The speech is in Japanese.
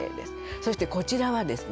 そしてこちらはですね